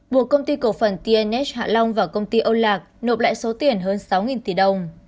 buộc công ty cổ phần tns hạ long và công ty âu lạc nộp lại số tiền hơn sáu tỷ đồng